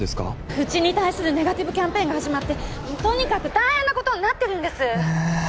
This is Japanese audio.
うちに対するネガティブキャンペーンが始まって☎とにかく大変なことになってるんです